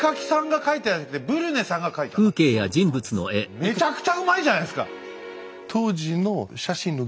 めちゃくちゃうまいじゃないですか！